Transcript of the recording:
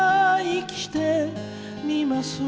「生きてみます